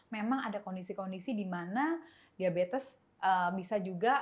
memang ada kondisi kondisi di mana diabetes bisa juga